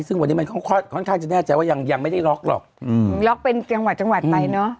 ซึ่งวันนี้มันค่อนข้างจะแน่ใจว่ายังยังไม่ได้ล็อกหรอกอืมล็อกเป็นจังหวัดจังหวัดไปเนอะ